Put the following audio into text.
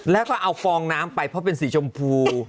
แล้วก็เอาฟองน้ำไปเพราะเป็นสีชมพู